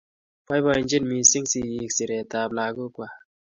boibochini mising' sigik siretab lagokwak